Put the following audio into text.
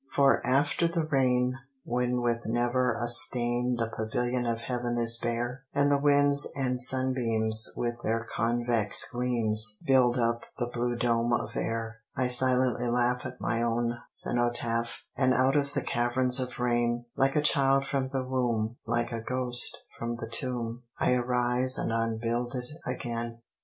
For after the rain, when with never a stain The pavilion of heaven is bare, And the winds and sunbeams with their convex gleams Build up the blue dome of air, I silently laugh at my own cenotaph, And out of the caverns of rain, Like a child from the womb, like a ghost from the tomb, I arise and unbuild it again.